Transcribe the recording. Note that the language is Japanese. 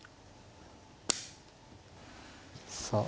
さあ。